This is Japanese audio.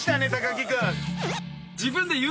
木君。